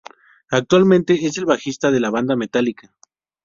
Actualmente es el bajista de la banda Metallica.